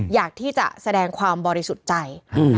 อยากที่จะแสดงความบริสุทธิ์ใจ